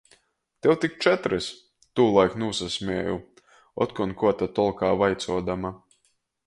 Tev tik četrys! tūlaik nūsasmieju, otkon kuo ta tolkā vaicuodama.